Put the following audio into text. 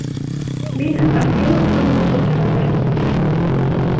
Мин астрологтан ноҡот һалдырҙым.